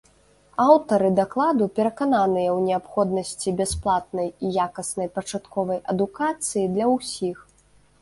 Аўтары дакладу перакананыя ў неабходнасці бясплатнай і якаснай пачатковай адукацыі для ўсіх.